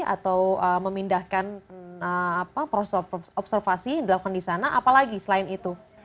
atau memindahkan proses observasi yang dilakukan di sana apalagi selain itu